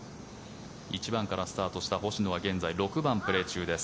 １番からスタートした星野は現在、６番をプレー中です。